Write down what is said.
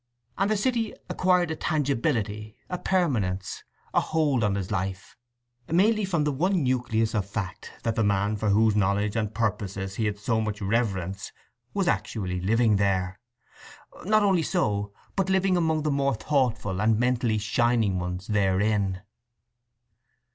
And the city acquired a tangibility, a permanence, a hold on his life, mainly from the one nucleus of fact that the man for whose knowledge and purposes he had so much reverence was actually living there; not only so, but living among the more thoughtful and mentally shining ones therein.